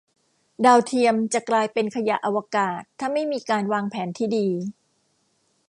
ดาวเทียม จะกลายเป็นขยะอวกาศ ถ้าไม่มีการวางแผนที่ดี